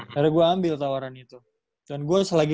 akhirnya gua ambil tawaran itu dan gua selagi lagi